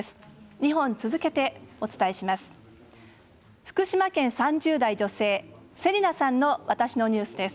２本続けてお伝えします。